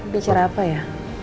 bicara apa ya